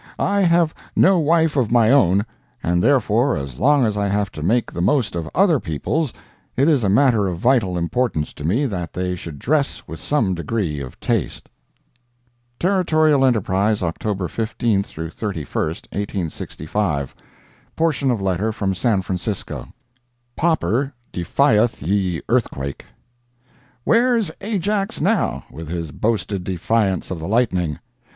I have no wife of my own and therefore as long as I have to make the most of other people's it is a matter of vital importance to me that they should dress with some degree of taste. Territorial Enterprise, October 15 31, 1865 [portion of Letter from San Francisco] POPPER DEFIETH YE EARTHQUAKE Where's Ajax now, with his boasted defiance of the lightning?